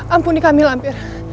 ampuni kami lampir